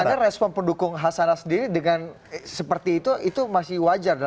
anda respon pendukung hasanah sendiri dengan seperti itu itu masih wajar